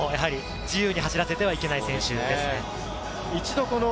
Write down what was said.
自由に走らせてはいけない選手です。